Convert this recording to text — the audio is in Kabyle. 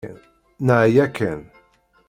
Neεya kan.